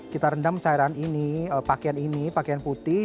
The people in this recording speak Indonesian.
kita rendam cairan ini pakaian ini pakaian putih